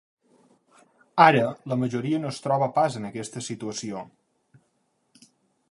Ara, la majoria no es troba pas en aquesta situació.